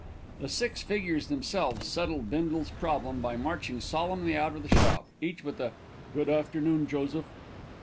The six figures themselves settled Bindle's problem by marching solemnly out of the shop, each with a "Good afternoon, Joseph."